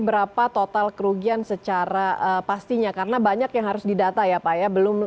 berapa total kerugian secara pastinya karena banyak yang harus didata ya pak ya belum